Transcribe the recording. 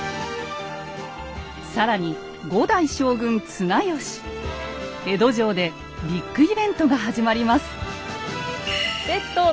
更に江戸城でビッグイベントが始まります。